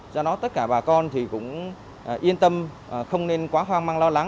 do đó tất cả bà con thì cũng yên tâm không nên quá hoang mang lo lắng